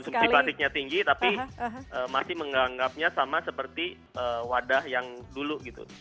konsumsi plastiknya tinggi tapi masih menganggapnya sama seperti wadah yang dulu gitu